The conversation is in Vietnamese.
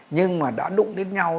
nhưng mà đã đụng đến nhau